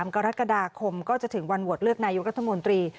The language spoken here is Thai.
กรกฎาคมก็จะถึงวันโหวตเลือกนายกรัฐมนตรี